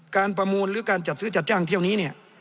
ประมูลหรือการจัดซื้อจัดจ้างเที่ยวนี้เนี่ย